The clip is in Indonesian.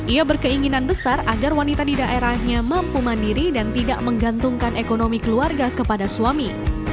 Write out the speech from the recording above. ia berkeinginan besar agar wanita di daerahnya mampu mandiri dan tidak menggantungkan ekonomi keluarga kepada suami